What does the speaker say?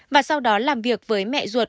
và sau đó làm việc với mẹ ruột